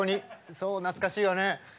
そう懐かしいわね。